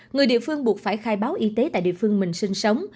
người địa phương buộc phải khai báo y tế tại địa phương mình sinh sống